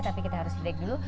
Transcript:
tapi kita harus break dulu